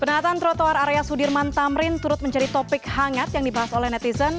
penataan trotoar area sudirman tamrin turut menjadi topik hangat yang dibahas oleh netizen